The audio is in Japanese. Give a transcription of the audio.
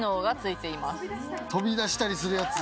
飛び出したりするやつ。